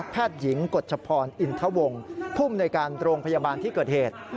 แพทยิงกฎฉภรอินทะวงพุ่มในการโรงพยาบาลที่เกิดเหตุ